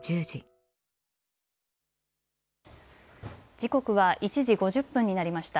時刻は１時５０分になりました。